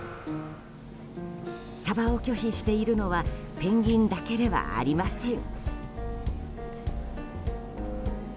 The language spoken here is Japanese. サバを拒否しているのはペンギンだけではありません。